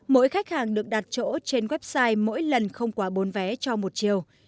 mỗi khách hàng được đặt chỗ trên website mỗi lần không quá bốn vé cho một chiều